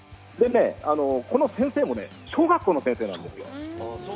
この先生も小学校の先生なんです。